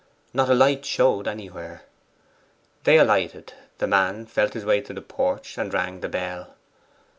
Not a light showed anywhere. They alighted; the man felt his way into the porch, and rang the bell.